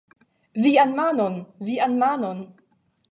Vian manon, vian manon!